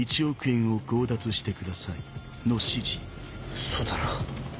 ウソだろ。